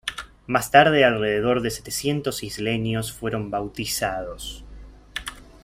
Más tarde alrededor de setecientos isleños fueron bautizados.